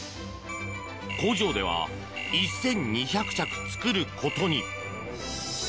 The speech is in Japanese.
工場では１２００着作ることに。